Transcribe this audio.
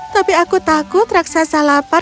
tapi aku takut raksasa lapar